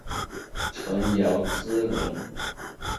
陈尧咨人。